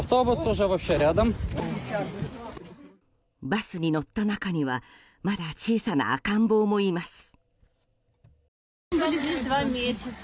バスに乗った中にはまだ小さな赤ん坊もいます。